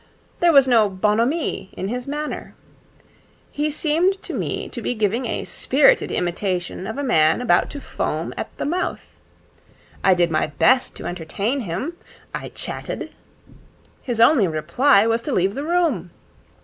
There was no bonhomie in his manner. He seemed to me to be giving a spirited imitation of a man about to foam at the mouth. I did my best to entertain him. I chatted. His only reply was to leave the room.